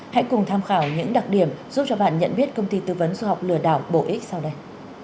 hãy cùng tham khảo những đặc điểm giúp cho bạn nhận biết công ty tư vấn du học lừa đảo bổ ích sau đây